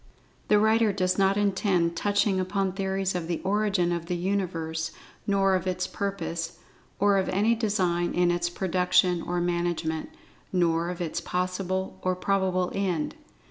The writer does not intend touching upon theories of the origin of the Universe, nor of its purpose, or of any design in its production or management, nor of its possible or probable end.